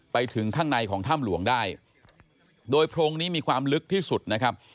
ไปถึงข้างในของถ้ำหลวงได้โดยโพรงนี้มีความลึกที่สุดนะครับ